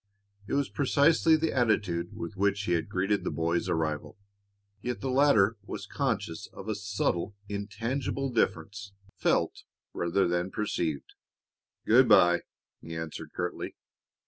It was precisely the attitude with which he had greeted the boy's arrival; yet the latter was conscious of a subtle, intangible difference, felt rather than perceived. "Good by," he answered curtly.